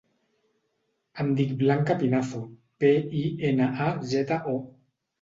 Em dic Blanca Pinazo: pe, i, ena, a, zeta, o.